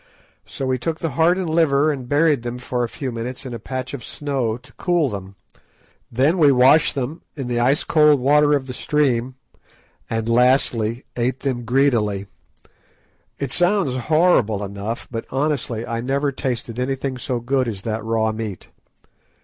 So we took the heart and liver and buried them for a few minutes in a patch of snow to cool them. Then we washed them in the ice cold water of the stream, and lastly ate them greedily. It sounds horrible enough, but honestly, I never tasted anything so good as that raw meat.